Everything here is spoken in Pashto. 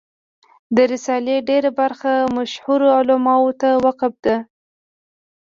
د رسالې ډېره برخه مشهورو علماوو ته وقف ده.